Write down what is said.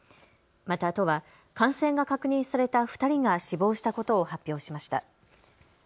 また都は感染が確認された２人が死亡したことを発表しました。